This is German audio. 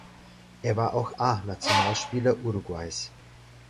Er war auch A-Nationalspieler Uruguays.